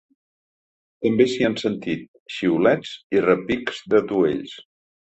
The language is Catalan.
També s’hi han sentit xiulets i repics d’atuells.